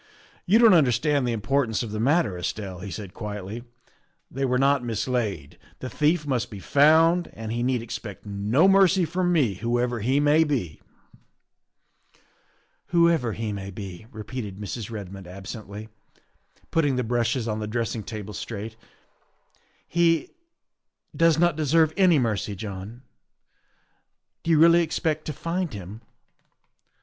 You don't understand the importance of the mat ter, Estelle," he said quietly; " they were not mislaid. The thief must be found, and he need expect no mercy from me whoever he may be." " "Whoever he may be," repeated Mrs. Redmond ab sently, putting the brushes on the dressing table straight, " he does not deserve any mercy, John. Do you really expect to find him ?